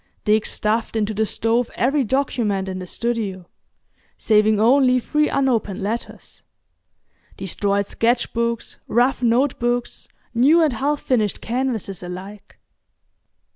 Dick stuffed into the stove every document in the studio—saving only three unopened letters; destroyed sketch books, rough note books, new and half finished canvases alike.